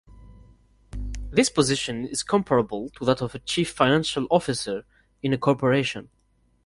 This position is comparable to that of a chief financial officer in a corporation.